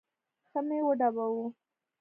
ښه مې وډباوه.